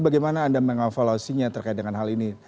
bagaimana anda mengavaluasinya terkait dengan hal ini